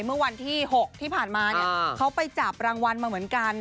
เมื่อวันที่๖ที่ผ่านมาเนี่ยเขาไปจับรางวัลมาเหมือนกัน